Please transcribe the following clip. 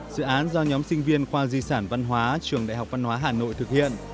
dự án do nhóm sinh viên khoa di sản văn hóa trường đại học văn hóa hà nội thực hiện